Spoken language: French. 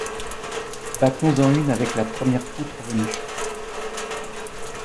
Bâclons-en une avec la première poutre venue.